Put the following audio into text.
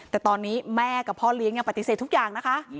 แต่ตอนนี้แม่กับพ่อเลี้ยงยังปฏิเสธทุกอย่างนะคะ